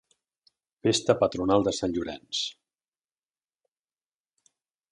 Festa patronal de Sant Llorenç.